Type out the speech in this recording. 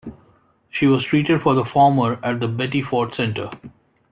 She was treated for the former at the Betty Ford Center.